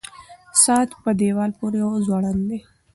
ساعت په دیوال پورې ځوړند دی.